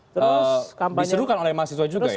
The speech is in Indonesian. itu diserukan oleh mahasiswa juga ya